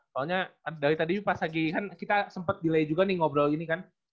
soalnya dari tadi juga pas lagi kan kita sempet delay juga nih ngobrol ini kan